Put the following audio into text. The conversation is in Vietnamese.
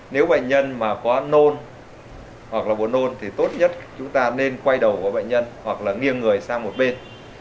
nếu bệnh nhân mà có nôn hoặc là buồn nôn thì tốt nhất chúng ta nên quay đầu với bệnh nhân hoặc là nghiêng người sang một bên